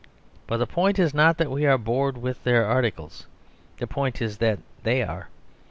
But the point is not that we are bored with their articles; the point is that they are.